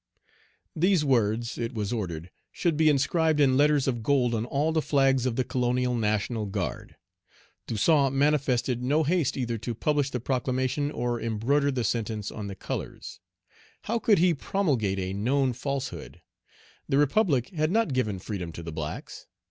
These words, it was ordered, should be inscribed in letters of gold on all the flags of the colonial national guard. Toussaint manifested no haste either to publish the proclamation or embroider the sentence on the colors. How could he promulgate a known falsehood? The Republic had not given freedom to the blacks.